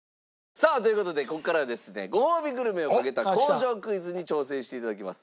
さあという事でここからはですねごほうびグルメをかけた工場クイズに挑戦して頂きます。